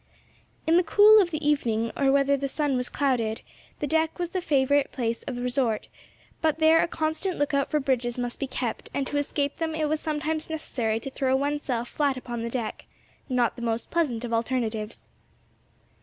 In the cool of the evening or when the sun was clouded, the deck was the favorite place of resort; but there a constant lookout for bridges must be kept, and to escape them it was sometimes necessary to throw one's self flat upon the deck; not the most pleasant of alternatives.